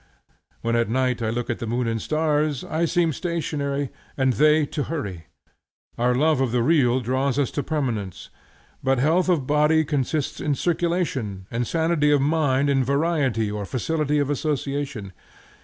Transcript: When at night I look at the moon and stars, I seem stationary, and they to hurry. Our love of the real draws us to permanence, but health of body consists in circulation, and sanity of mind in variety or facility of association.